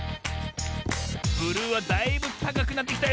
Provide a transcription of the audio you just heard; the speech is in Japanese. ブルーはだいぶたかくなってきたよ。